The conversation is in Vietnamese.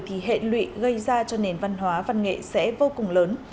thì hệ lụy gây ra cho nền văn hóa văn nghệ sẽ vô cùng lớn